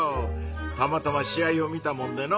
たまたま試合を見たもんでの。